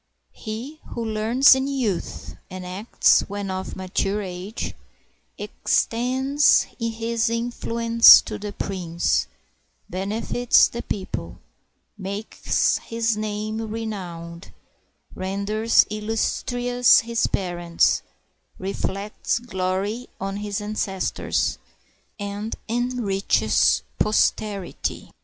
He who learns in youth, and acts when of mature age. Extends his influence to the prince, benefits the people. Makes his name renowned, renders illustrious his parents, Reflects glory on his ancestors, and enriches posterity.